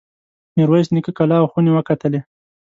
میرویس نیکه کلا او خونې وکتلې.